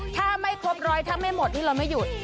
ถ้าไม่ครบร้อยถ้าไม่หมดนี่เราไม่หยุด